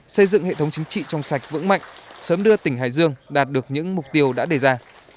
xây dựng hệ thống chính trị trong sạch vững mạnh sớm đưa tỉnh hải dương đạt được những mục tiêu đã đề ra